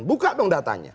buka dong datanya